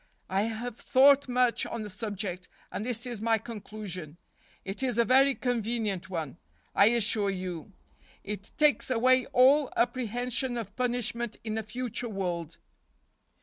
I have thought much on the subject, and this is my conclusion. It is a very convenient one, I assure you. It takes away all apprehension of punishment in a future world."